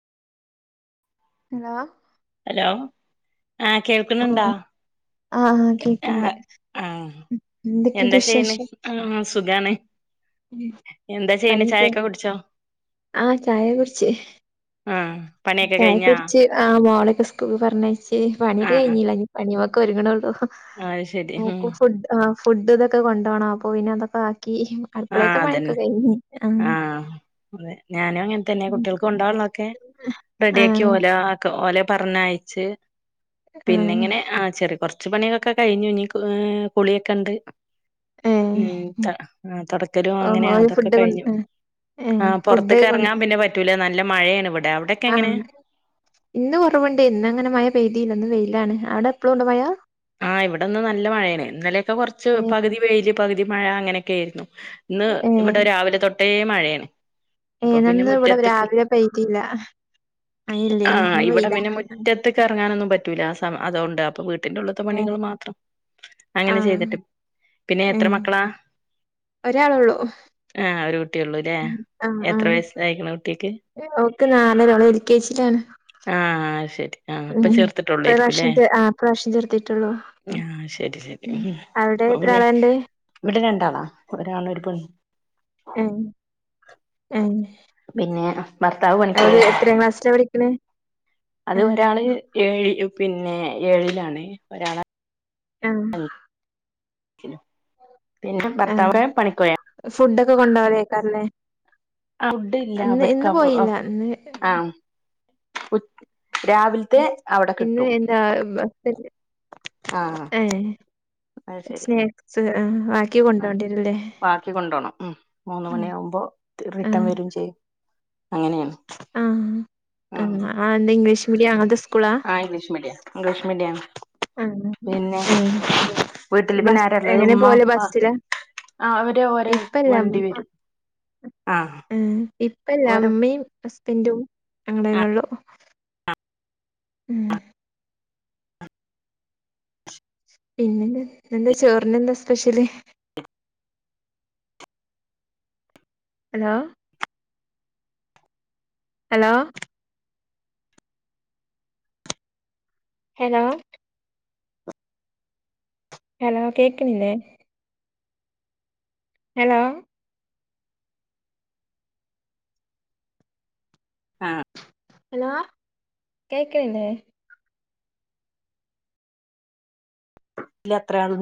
Hello? Hello ആഹ കേൾക്കുന്നുണ്ടോ? ആഹ ആ കേക്കണ്ട് ആഹ് എന്തൊക്കെയുണ്ട് വിശേഷം. ആ സുഖണ്. പണിയക്ക കുടിച്ചോ ആ ചായ കുടിച്. ആഹ് പണിയൊക്കെ ഇതായെ കഴിഞ്ഞാ കുടിച്ച് ആ മോളെൊക്കെ സ്കൂള് പറഞ്ഞയച്ച് പണിയൊക്കെ ആഹ് കഴിഞ്ഞില്ല പണിയൊക്കെ ഒരുങ്ങ്ണെള്ളൂ. ആഹ് അത് ശരി ഉം മോക്ക് ഫു് ഫുഡ് ഇതൊക്കെ കൊണ്ടാണം അപ്പൊ പിന്നെ അതൊക്കെ ആക്കി. ആഹ അടുക്കളേത്തെ അതന്നെ പണിയൊക്കെ കഴിഞ്ഞ് ആഹ് ആഹ അതെ ഞാനും അങ്ങനെത്തന്നെ കുട്ടികൾക്ക് കൊണ്ടാവള്ളൊതോക്കെ റെഡി ആാക്കി ആഹ് ഓല ആ ഓല പറഞ്ഞയ്ച്ച്. പിന്നെ ആഹ് ഇങ്ങനെ ആ ചെറിയ കുറച്ച് പണികളൊക്കെ കഴിഞ്ഞു കുളിയൊക്കെ ഉണ്ട്. ഏഹ് ഉം ത തുടക്കല് ഓഹ് അങ്ങനെ ഓല് അതൊക്കെ ഫുഡ് കൊ കഴിഞ്ഞു. ആ ഏഹ് ഫുഡ് പുറത്ത്ക് കൊ ഇറങ്ങാൻ പിന്നെ പറ്റൂല നല്ല മഴയാണ് ഇവിടെ അവിടെ ആഹ ഇന്ന് കുറവുണ്ട് ഇന്ന് അങ്ങനെ മഴ പെയ്തിയില്ല. ഇന്ന് വെയിലാണ്. അവിടെ എപ്പഴുംണ്ടോ മഴ. ആഹ് ഇവിടെന്ന് നല്ല മഴേന ഇന്നലെയൊക്കെ കുറച്ച് ഏഹ് പകുതി വെയില് പകുതി മഴ അങ്ങനെയൊക്കെ ആയിരുന്നു. ഇന്ന് ഏഹ് ഇവിടെ രാവിലെ തൊട്ടേ മഴയാണ്. അപ്പൊ ഏഹ് പിന്നെ ഞാനിന്ന് ഇവിടെ മുറ്റത്തക്ക് രാവിലെ പെയ്തില്ല. മഴയില്ലേനി ആഹ ഇന്ന് ഇവിടെ വെയിലാ. പിന്നെ മുറ്റത്ത് ക് ഇറങ്ങാനൊന്നും പറ്റുല്ല. ആ അതുകൊണ്ട് അപ്പം വീട്ടന്റെ ഉള്ളി പത്ത് മണികൾ ഏഹ് മാത്രം അങ്ങനെ ആഹ് ചെയ്തിട്ട് പിന്നെ എത്ര മക്കളാ. ഒരാള് ഉള്ളൂ. ഏ ഒരു കുട്ടിയള്ളൂല്ലേ എത്ര വയസ്സായിക്ക്ണ് കുട്ടിക്ക്. ഓക്ക് നാലര് എ കെ ജി ല ണ് ആഹ ശരി ആഹ് ഇപ്പൊ ചേർത്തിട്ടുള്ളായിരിക്കും. ല്ലേ ആ ഇ പ്രവശം ചെർത്തിട്ടുള്ളു. ആഹ ശരി ശരി അവിടെ എത്ര പിന്നെ ആളാണ്ട്? ഇവിടെ രണ്ടാ ആളണ് ഒരുആൺ ഒര് പെണ്. ആഹ ആഹ പിന്നെ ഭർത്താവ് പണിക്ക ക ക്ലാസ്സിലാ പഠിക്കണേ? അത് ആഹ് ഒരാള് ഏഴ പിന്നെ ഏഴിലാണ് ഒരാള് ആഹ് പിന്നെ ആഹ് ഭർത്താവ് പണിക്കൊയാ. ഫുഡൊക്കെ കൊണ്ട് പോകല് ക്കാറല്ലേ ഇന്ന് ഇന്ന് പോയില്ല ഇന്ന് ആഹ അവിടെ ഇന്ന് കിട്ടും എന്താ [inaudible] ആഹ് ഏ സ്നാക്സ് ആ ആ ബാക്കി കൊണ്ടോണം ഉ മൂന്ന് ഉം മണി ആകുമ്പോ റിട്ടേൺ ആഹ് വരും ചെയ്യും. അങ്ങനെയാണ്. ആഹ് ഉം ആഹ് എന്താ ഇംഗ്ലീഷ് മീഡിയം ആണോ അങ്ങൻത്തെ സ്കൂളാ ആഹ് ഇംഗ്ലീഷ് മീഡിയം ഇംഗ്ലീഷ് മീഡിയം ആഹ് ആണ് ഇല്ല ഏഹ് വീട്ടില് പിന്നെ ബസ് ആരാള്ളത് എങ്ങനെ ഉമ്മ പോവല് ഉപ്പ ബസ്സിലാ ആഹ് അവര് ഒരു വണ്ടി വരും ആഹ് ഉം ഇപ്പയില്ല ഓര് ഇമ്മയും ഹസ്ബന്റും ഞങ്ങളന്നെ ആഹ് ഉള്ളൂ ഉം പിന്നെ എന്നാ ഇന്നെന്താ ചോറിന് എന്താ special hello hello hello hello കേൾക്കണില്ലേ ഹെലോ ആഹ് ഹലോ കേൾക്കിനില്ലേ ഇല്ല എത്രയാണ്